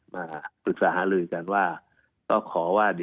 มาตรวจสาหารึงกันว่า